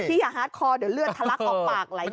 พี่อย่าฮาดคอเดี๋ยวเลือดทะลักออกปากไหลอยู่